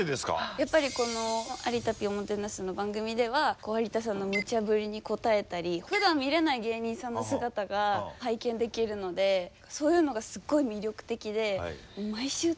やっぱり「有田Ｐおもてなす」の番組では有田さんのムチャブリに応えたりふだん見れない芸人さんの姿が拝見できるのでそういうのがすっごい魅力的で毎週楽しみでホントに。